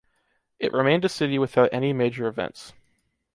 It remained a city without any major events.